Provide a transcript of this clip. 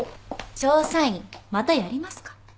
調査員またやりますか？